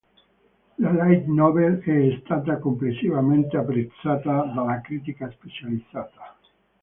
La light novel è stata complessivamente apprezzata dalla critica specializzata.